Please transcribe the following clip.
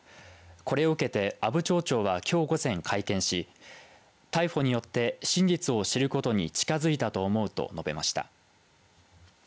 これを受けて阿武町長はきょう午前会見し逮捕によって真実を知ることに近づいたと思うと述べました。